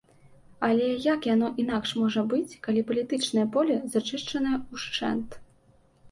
Але як яно інакш можа быць, калі палітычнае поле зачышчанае ўшчэнт?